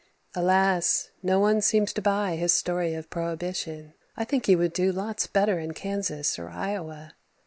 Alas! no one seems to buy his story of prohibition. I think he would do lots better in Kansas or Iowa.